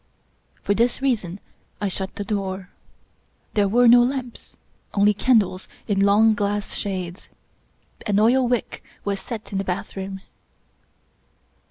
For this reason I shut the door. There were no lamps — only candles in long glass shades. An oil wick was set in the bathroom.